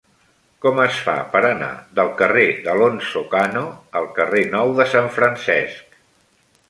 Com es fa per anar del carrer d'Alonso Cano al carrer Nou de Sant Francesc?